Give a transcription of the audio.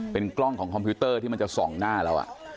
เป็นกล้องของคอมพิวเตอร์ที่มันจะส่องหน้าเรา